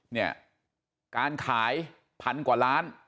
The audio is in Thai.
เนี่ยการขายพันกว่าล้าน